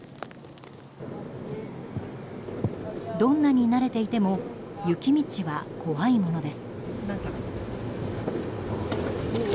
どんなに慣れていても雪道は怖いものです。